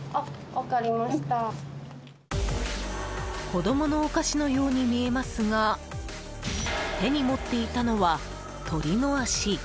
子供のお菓子のように見えますが手に持っていたのは鶏の足。